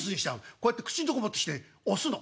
こうやって口んとこ持ってきてね押すの。